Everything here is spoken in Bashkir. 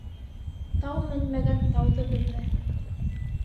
Тау менмәгән тауҙы белмәҫ.